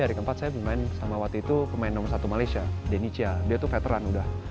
dari keempat saya bermain sama waktu itu pemain nomor satu malaysia denicia dia tuh veteran udah